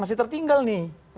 masih tertinggal nih